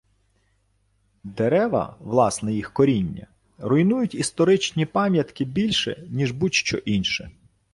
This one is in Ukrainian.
Дерева, власне їхнє коріння, руйнують історичні пам'ятки більше, ніж будь що інше.